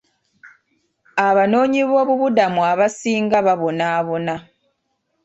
Abanoonyiboobubudamu abasinga babonaabona.